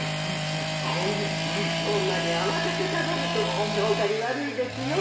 そんなに慌てて食べると消化に悪いですよ。